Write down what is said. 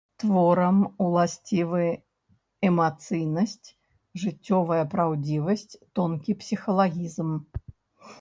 Творам уласцівы эмацыйнасць, жыццёвая праўдзівасць, тонкі псіхалагізм.